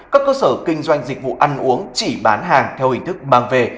các cơ sở kinh doanh dịch vụ ăn uống chỉ bán hàng theo hình thức mang về